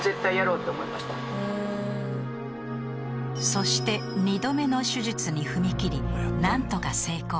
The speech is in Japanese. ［そして二度目の手術に踏み切り何とか成功］